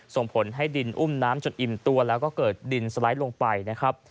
ส่งผลให้ดินอุ้มน้ำจนอิ่มตัวแล้วก็เกิดดินสไลด์ลงไปนะครับ